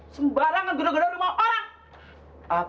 sembarangan gedor gedor lu mau orang